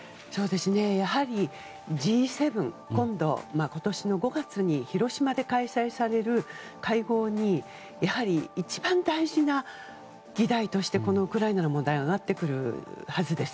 やはり、Ｇ７今年の５月に広島で開催される会合にやはり一番大事な議題としてこのウクライナの問題が挙がってくるはずです。